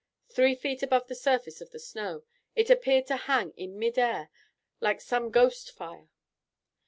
Three feet above the surface of the snow, it appeared to hang in midair like some ghost fire.